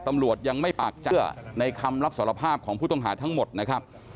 ตำรวจยังไม่ปากเชื่อในคำรับสารภาพของผู้ต้องหาทั้งหมดนะครับ